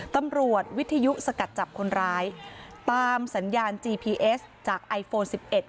ตำรวจวิทยุสกัดจับคนร้ายตามสัญญาณจีพีเอสจากไอโฟน๑๑